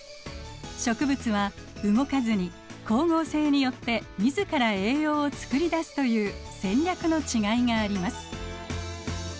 植物は動かずに光合成によって自ら栄養を作り出すという戦略のちがいがあります。